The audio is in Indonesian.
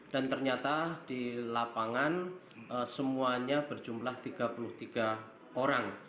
dan ternyata di lapangan semuanya berjumlah tiga puluh tiga orang